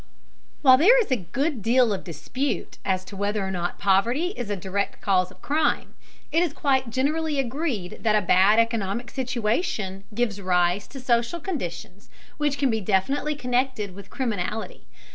While there is a good deal of dispute as to whether or not poverty is a direct cause of crime, it is quite generally agreed that a bad economic situation gives rise to social conditions which can be definitely connected with criminality.